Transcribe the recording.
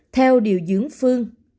theo điều dưỡng phương